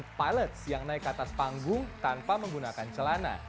ketika mereka menonton grammy dari rumah tanpa menggunakan celana